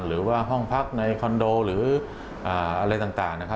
หรือว่าห้องพักในคอนโดหรืออะไรต่าง